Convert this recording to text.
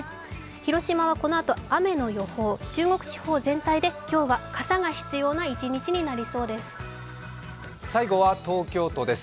広島はこのあと雨の予報、中国地方全体で今日は傘が必要な一日になりそうです。